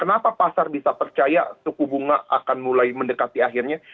kenapa pasar bisa percaya suku bunga akan mulai mendekati akhirnya